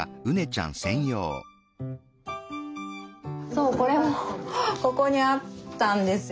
そうこれもここにあったんですよね。